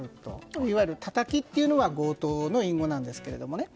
いわゆるたたきというのは強盗の隠語なんですけどね。